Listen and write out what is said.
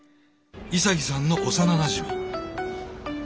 潔さんの幼なじみ。